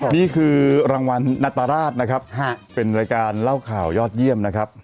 นี่คือรางวัลนัตรราชนะครับเป็นรายการเล่าข่าวยอดเยี่ยมนะครับ